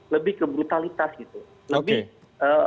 lebih ke brutalitas oke